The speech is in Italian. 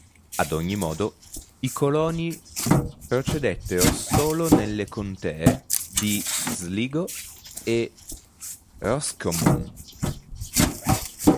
Ad ogni modo, i coloni procedettero solo nelle contee di Sligo e Roscommon.